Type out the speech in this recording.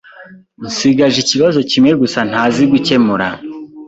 Nsigaje ikibazo kimwe gusa ntazi gukemura.